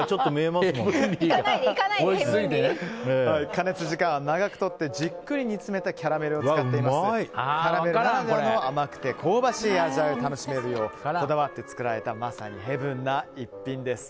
加熱時間を長くとってじっくり煮詰めたキャラメルを使っていますのでキャラメルならではの甘くて香ばしい味わいを楽しめるようこだわって作られたまさにヘブンな一品です。